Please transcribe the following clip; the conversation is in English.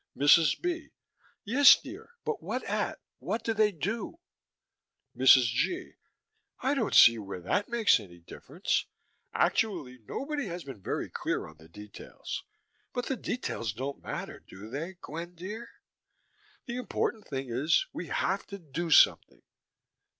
MRS. B.: Yes, dear, but what at? What do they do? MRS. G.: I don't see where that makes any difference. Actually, nobody has been very clear on the details. But the details don't matter, do they, Gwen dear? The important thing is, we have to do something.